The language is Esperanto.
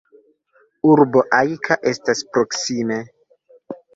Urbo Ajka estas proksime.